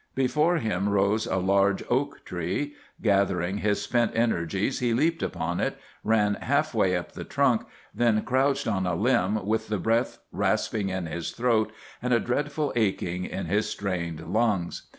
Before him rose a large oak tree. Gathering his spent energies he leaped upon it, ran half way up the trunk, then crouched on a limb with the breath rasping in his throat and a dreadful aching in his strained lungs.